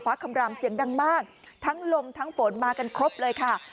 คำรามเสียงดังมากทั้งลมทั้งฝนมากันครบเลยค่ะ